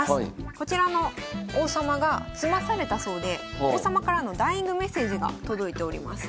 こちらの王様が詰まされたそうで王様からのダイイングメッセージが届いております。